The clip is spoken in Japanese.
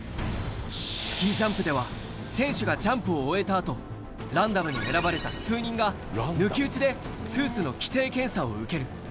スキージャンプでは、選手がジャンプを終えたあと、ランダムに選ばれた数人が、抜き打ちでスーツの規定検査を受ける。